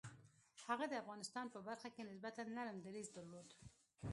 هغه د افغانستان په برخه کې نسبتاً نرم دریځ درلود.